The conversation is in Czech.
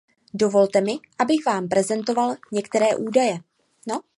Dovolte mi, abych vám prezentoval některé údaje.